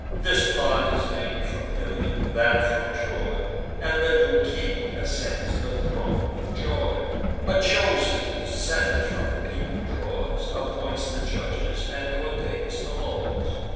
This part is nam'd from Ilium, that from Troy, And the new king ascends the throne with joy; A chosen senate from the people draws; Appoints the judges, and ordains the laws.